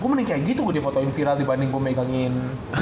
gue nih kayak gitu gue di fotoin viral dibanding gue pemegangin